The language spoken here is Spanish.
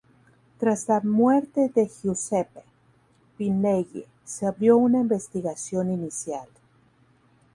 Tras la muerte de Giuseppe Pinelli se abrió una investigación inicial.